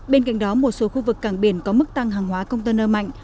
bên cạnh đó một số khu vực cảng biển có mức tăng hàng hóa container mạnh